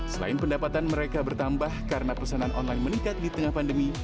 selain pendapatan mereka bertambah karena pesanan online meningkat di tengah pandemi